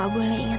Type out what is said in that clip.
ambil yang dirit